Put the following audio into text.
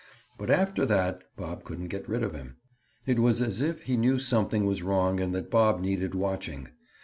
But after that Bob couldn't get rid of him. It was as if he knew something was wrong and that Bob needed watching.